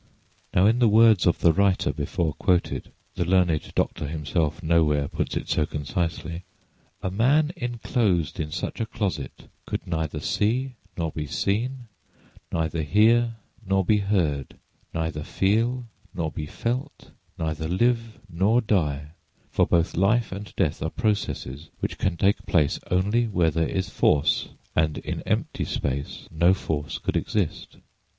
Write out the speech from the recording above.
Now, in the words of the writer before quoted—the learned doctor himself nowhere puts it so concisely: "A man inclosed in such a closet could neither see nor be seen; neither hear nor be heard; neither feel nor be felt; neither live nor die, for both life and death are processes which can take place only where there is force, and in empty space no force could exist."